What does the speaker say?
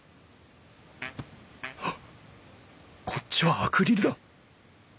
ハッこっちはアクリルだ！